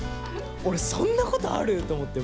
俺そんなことある！？と思って。